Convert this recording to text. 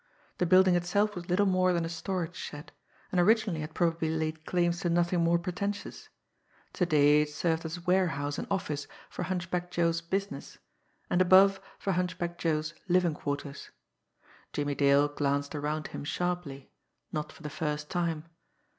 The building itself was little more than a storage shed, and originally had probably laid claims to nothing more pretentious to day it served as warehouse and office for Hunchback Joe's "business," and, above, for Hunchback Joe's living quarters. Jimmie Dale glanced around him sharply not for the first time.